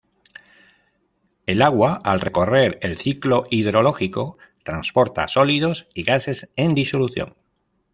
El agua, al recorrer el ciclo hidrológico, transporta sólidos y gases en disolución.